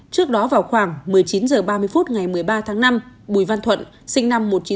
trước đó vào khoảng một mươi chín h ba mươi phút ngày một mươi ba tháng năm bùi văn thuận sinh năm một nghìn chín trăm bảy mươi